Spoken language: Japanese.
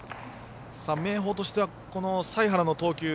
明豊としては、財原の投球